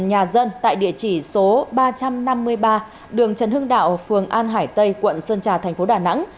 nhà dân tại địa chỉ số ba trăm năm mươi ba đường trần hưng đạo phường an hải tây quận sơn trà thành phố đà nẵng